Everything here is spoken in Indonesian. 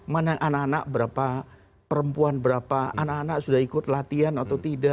mana anak anak berapa perempuan berapa anak anak sudah ikut latihan atau tidak